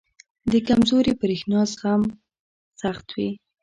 • د کمزوري برېښنا زغم سخت وي.